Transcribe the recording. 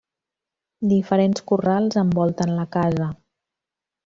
Diferents corrals envolten la casa.